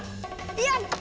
やった！